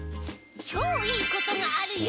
「ちょういいことがあるよ！！」